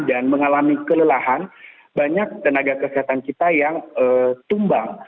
dan mengalami kelelahan banyak tenaga kesehatan kita yang tumbang